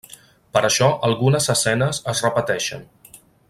Per això algunes escenes es repeteixen.